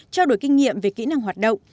trao đổi kinh nghiệm về kỹ năng hoạt động